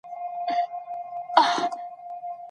ایا واړه پلورونکي وچ توت ساتي؟